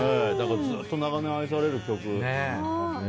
ずっと長年愛される曲ですね。